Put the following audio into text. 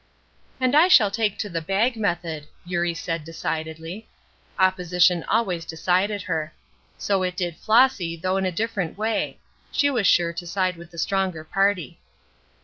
"And I shall take to the bag method," Eurie said, decidedly. Opposition always decided her. So it did Flossy, though in a different way; she was sure to side with the stronger party.